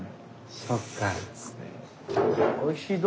そっか。